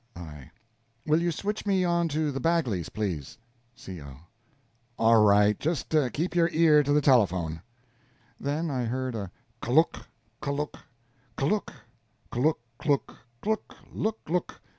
I. Will you switch me on to the Bagleys, please? C. O. All right. Just keep your ear to the telephone. Then I heard _k look, k look, k'look klook klook klook look look!